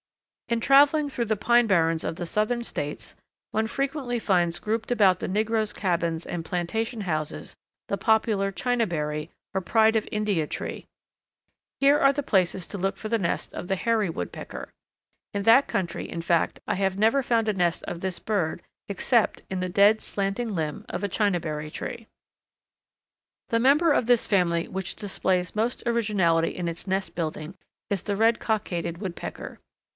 In travelling through the pine barrens of the Southern States one frequently finds grouped about the negroes' cabins and plantation houses the popular chinaberry, or Pride of India tree. Here are the places to look for the nest of the Hairy Woodpecker. In that country, in fact, I have never found a nest of this bird except in the dead, slanting limb of a chinaberry tree. The member of this family which displays most originality in its nest building is the Red cockaded Woodpecker.